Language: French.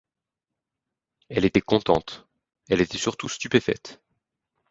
Elle était contente ; elle était surtout stupéfaite.